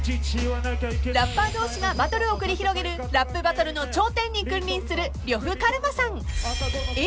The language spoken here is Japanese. ［ラッパー同士がバトルを繰り広げるラップバトルの頂点に君臨する呂布カルマさん］